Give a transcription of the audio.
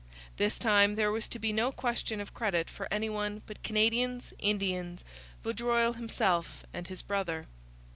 This time there was to be no question of credit for anyone but Canadians, Indians, Vaudreuil himself, and his brother.